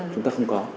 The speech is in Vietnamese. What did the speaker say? chúng ta không có